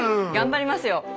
頑張りますよ。